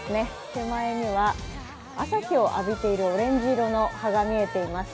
手前には朝日を浴びているオレンジ色の葉が見えています。